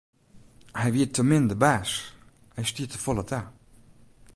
Hy wie te min de baas, hy stie te folle ta.